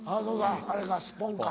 あれかスッポンか。